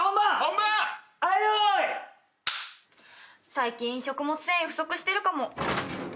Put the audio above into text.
「最近食物繊維不足してるかも」